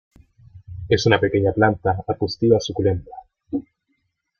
Es una pequeña planta arbustiva suculenta.